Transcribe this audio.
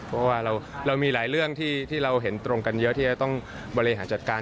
เพราะว่าเรามีหลายเรื่องที่เราเห็นตรงกันเยอะที่จะต้องบริหารจัดการ